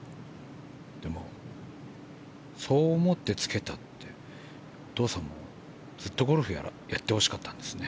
でも、そう思ってつけたってお父さんもずっとゴルフをやってほしかったんですね。